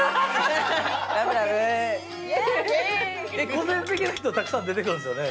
個性的な人たくさん出てくるんですよね？